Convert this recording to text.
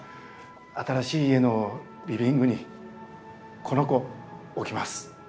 新しい家のリビングに「この子」置きます。